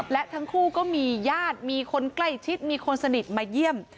และทั้งคู่ก็มีญาติมีคนใกล้ชิดมีคนสนิทมาเยี่ยม